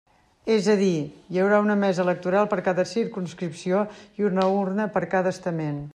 És a dir, hi haurà una mesa electoral per cada circumscripció i una urna per cada estament.